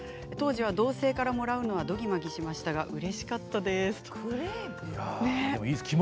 当時は同性からもらうのはどぎまぎしましたがうれしかったです。